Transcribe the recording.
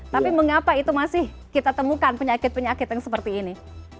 tapi mengapa itu masih kita temukan penyakit penyakit yang seperti ini